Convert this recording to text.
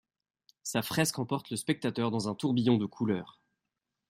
Sa fresque emporte le spectateur dans un tourbillon de couleurs.